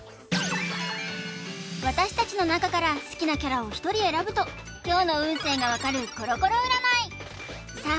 私たちの中から好きなキャラを１人選ぶと今日の運勢が分かるコロコロ占いさあ